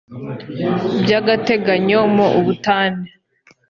by agateganyo mo ubutane